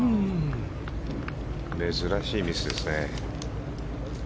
珍しいミスですね。